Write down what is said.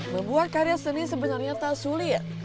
membuat karya seni sebenarnya tak sulit